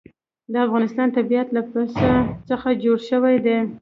د افغانستان طبیعت له پسه څخه جوړ شوی دی.